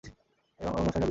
এবারে মশায়রা বিদায় হোন।